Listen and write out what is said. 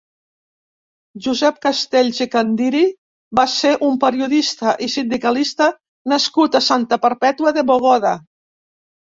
Josep Castells i Candiri va ser un periodista i sindicalista nascut a Santa Perpètua de Mogoda.